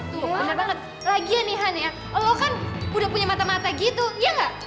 tuh bener banget lagi ya nih han ya lo kan udah punya mata mata gitu ya gak